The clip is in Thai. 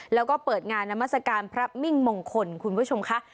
แล้วก็เปิดงานนามัศกาลพระมิ่งมงคลคุณผู้ชมค่ะ